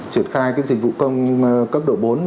triển khai cái dịch vụ công cấp độ bốn